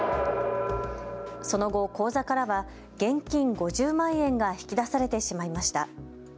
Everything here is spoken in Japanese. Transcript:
その後、口座からは現金５０万円が引き出されてしまいました。